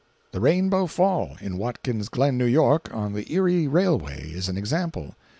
The Rainbow Fall, in Watkins Glen (N.Y.), on the Erie railway, is an example.